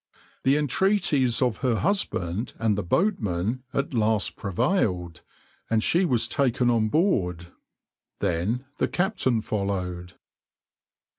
The entreaties of her husband and the boatmen at last prevailed, and she was taken on board. Then the captain followed.